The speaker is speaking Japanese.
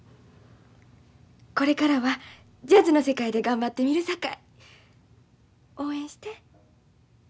これからはジャズの世界で頑張ってみるさかい応援して。